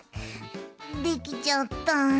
できちゃった。